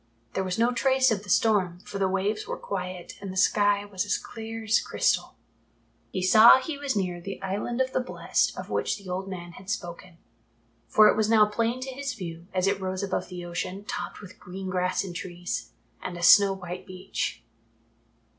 There was no trace of the storm, for the waves were quiet and the sky was as clear as crystal. He saw that he was near the Island of the Blest of which the old man had spoken, for it was now plain to his view, as it rose above the ocean, topped with green grass and trees, and a snow white beach.